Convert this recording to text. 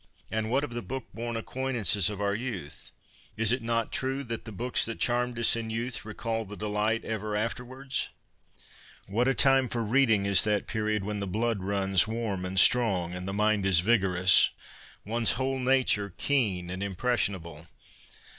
And what of the book born acquaintances of our youth ? Is it not true that ' the books that charmed us in youth recall the delight ever afterwards '? What a time for reading is that period when the blood runs warm and strong, and the mind is vigorous — one's whole nature keen and impression able